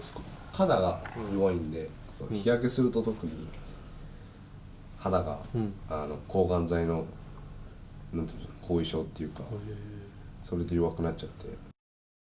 肌が弱いんで、日焼けすると特に肌が、抗がん剤のなんていうんでしょう、後遺症っていうか、それで弱くなっちゃって。